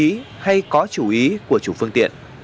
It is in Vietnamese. hành động vô ý hay có chủ ý của chủ phương tiện